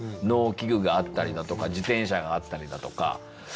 農機具があったりだとか自転車があったりだとか。